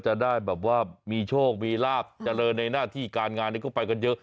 จะได้แบบว่ามีโชคมีลาบเจริญในหน้าที่การงานนี้ก็ไปกันเยอะ